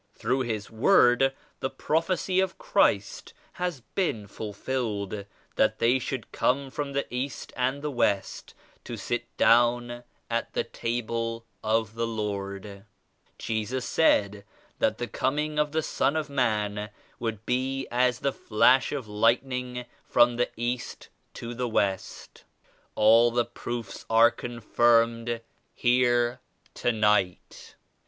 Through 74 His Word the prophecy of Christ has been ful filled ; that they should come from the East and the West to sit down at the Table of the Lord. Jesus said that the coming of the Son of Man would be as the flash of lightning from the East to the West. All the proofs are confirmed here tonight."